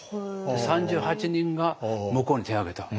３８人が向こうに手を挙げた。